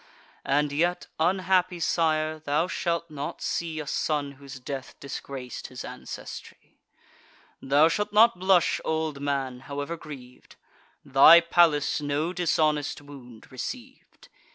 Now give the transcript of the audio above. And yet, unhappy sire, thou shalt not see A son whose death disgrac'd his ancestry; Thou shalt not blush, old man, however griev'd: Thy Pallas no dishonest wound receiv'd.